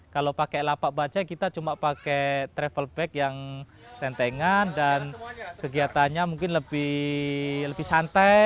kalau pakai lapak baca kita cuma pakai travel back yang sentengan dan kegiatannya mungkin lebih santai